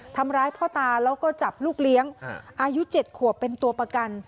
ทำร้ายพ่อตาแล้วก็จับลูกเลี้ยงอายุ๗ขวบเป็นตัวประกัน